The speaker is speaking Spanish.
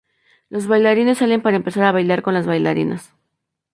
Los bailarines salen para empezar a bailar con las bailarinas.